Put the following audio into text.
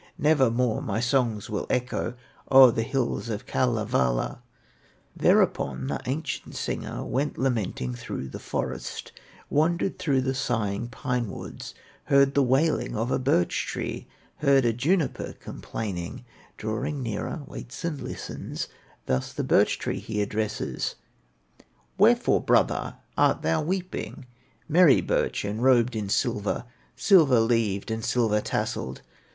Nevermore my songs will echo O'er the hills of Kalevala!" Thereupon the ancient singer Went lamenting through the forest, Wandered through the sighing pine woods, Heard the wailing of a birch tree, Heard a juniper complaining; Drawing nearer, waits and listens, Thus the birch tree he addresses: "Wherefore, brother, art thou weeping, Merry birch enrobed in silver, Silver leaved and silver tasselled?